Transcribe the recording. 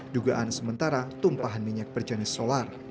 dugaan sementara tumpahan minyak berjenis solar